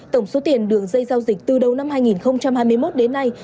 tổng số tiền đường dây giao dịch từ đầu năm hai nghìn hai mươi một đến nay